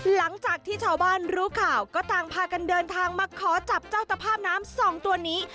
หลังจากที่ชาวบ้านรู้ข่าวก็ต่างพากันเดินทางมาขอจับเจ้าตภาพน้ำสองตัวนี้